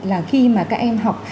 là khi mà các em học